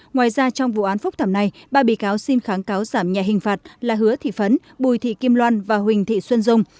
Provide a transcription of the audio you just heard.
ngoài ra trong vụ án phúc thẩm này ba bị cáo xin kháng cáo giảm nhà hình phạt là hứa thị phấn bùi thị kim loan và huỳnh thị xuân dung